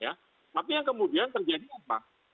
ya tapi yang kemudian terjadi apa